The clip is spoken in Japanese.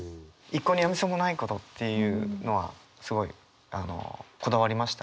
「一向にやみそうもない」ことっていうのはすごいあのこだわりましたね。